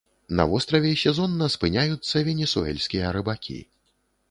На востраве сезонна спыняюцца венесуэльскія рыбакі.